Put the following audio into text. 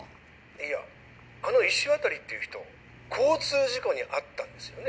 いやあの石渡っていう人交通事故に遭ったんですよね？